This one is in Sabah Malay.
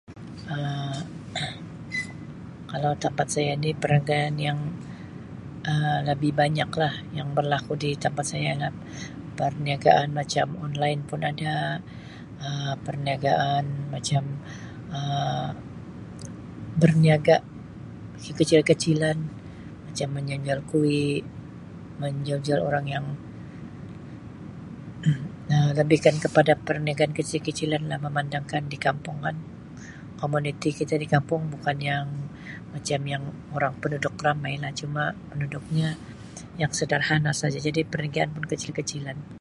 Um Kalau tempat saya ni perniagaan yang Um lebih banyak lah yang berlaku di tempat saya adalah perniagaan-perniagaan macam online pun ada Um perniagaan macam Um berniaga kecil-kecilan macam menjual-jual kuih, menjual-jual orang yang Um lebihkan perniagaan kecil-kecilan lah memandangkan di kampung kan komuniti kita di kampung bukan yang macam yang orang penduduk ramai lah cuma penduduknya yang sederhana sahaja, jadi perniagaan pun kecil-kecilan.